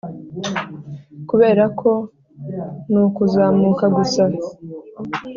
kuberako nukuzamuka gusa